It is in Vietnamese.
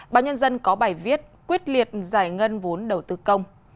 báo nhân dân có bài viết quyết liệt giải ngân vốn đầu tư công